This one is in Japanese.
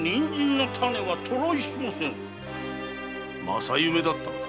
正夢だったのだ。